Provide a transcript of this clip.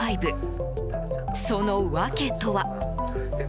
その訳とは？